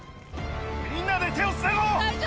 みんなで手をつなごう！